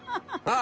あ！